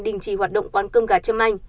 đình chỉ hoạt động quán cơm gà trâm anh